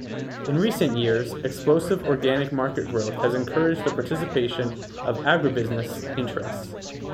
In recent years, explosive organic market growth has encouraged the participation of agribusiness interests.